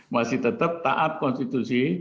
masih tetap taat konstitusi